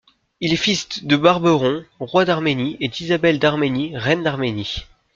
Il est fils d'de Barbaron, roi d'Arménie, et d'Isabelle d'Arménie, reine d'Arménie.